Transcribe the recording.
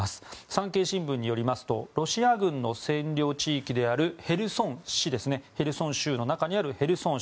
産経新聞によりますとロシア軍の占領地域であるヘルソン市ヘルソン州の中にあるヘルソン